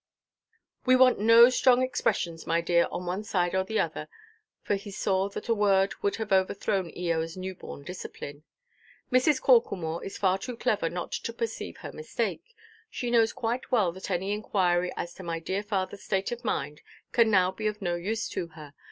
"We want no strong expressions, my dear, on one side or the other," for he saw that a word would have overthrown Eoaʼs new–born discipline; "Mrs. Corklemore is far too clever not to perceive her mistake. She knows quite well that any inquiry as to my dear fatherʼs state of mind can now be of no use to her.